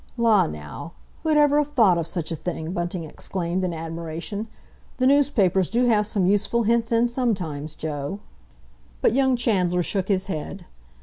"La, now! Who'd ever have thought of such a thing?" Bunting exclaimed, in admiration. "The newspapers do have some useful hints in sometimes, Joe." But young Chandler shook his head.